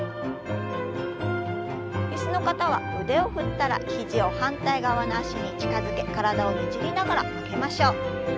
椅子の方は腕を振ったら肘を反対側の脚に近づけ体をねじりながら曲げましょう。